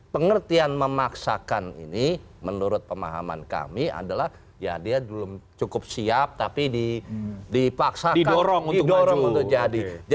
pengertian memaksakan ini menurut pemahaman kami adalah ya dia cukup siap tapi dipaksakan